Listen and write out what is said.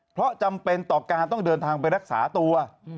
เพราะจำเป็นต่อการต้องเดินทางไปรักษาตัว